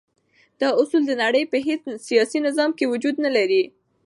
دا اصول د نړی په هیڅ سیاسی نظام کی وجود نلری.